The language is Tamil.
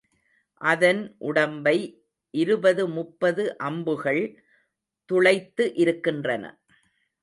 அதன் உடம்பை இருபது, முப்பது அம்புகள் துளைத்து இருக்கின்றன.